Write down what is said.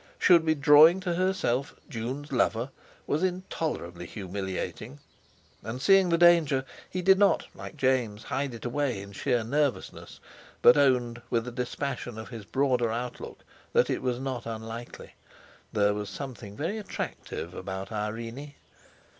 —should be drawing to herself Jun's lover, was intolerably humiliating. And seeing the danger, he did not, like James, hide it away in sheer nervousness, but owned with the dispassion of his broader outlook, that it was not unlikely; there was something very attractive about Irene!